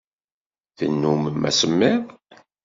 Tennummem asemmiḍ.